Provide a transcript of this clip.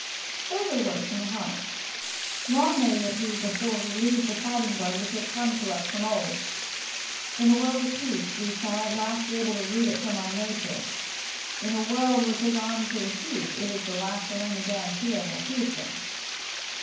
Those are words from the heart. Long may it be before we lose the fighting blood which has come to us from of old! In a world of peace we shall at last be able to root it from our natures. In a world which is armed to the teeth it is the last and only guarantee of our future.